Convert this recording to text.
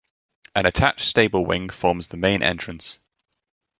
An attached stable wing forms the main entrance.